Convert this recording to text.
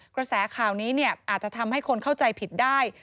กระแสข่าวนี้อาจจะทำให้คนเข้าใจผิดได้